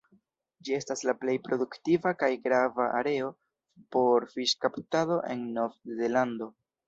Ĝi estas la plej produktiva kaj grava areo por fiŝkaptado en Novzelando.